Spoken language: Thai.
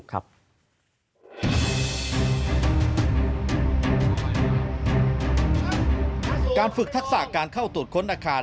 การฝึกทักษะการเข้าตรวจค้นอาคาร